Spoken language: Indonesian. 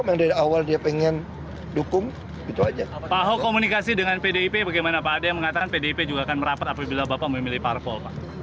ada yang mengatakan pdip juga akan merapat apabila bapak memilih parpol pak